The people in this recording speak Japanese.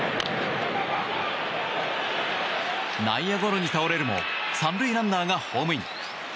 内野ゴロに倒れるも３塁ランナーがホームイン。